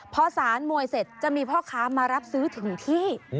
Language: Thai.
พอสารมวยเสร็จจะมีพ่อค้ามารับซื้อถึงที่